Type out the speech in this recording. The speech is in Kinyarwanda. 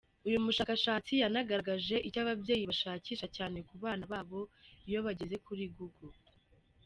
Uyu mushakashatsi yanagaragaje icyo ababyeyi bashakisha cyane ku bana babo iyo bageze kuri google.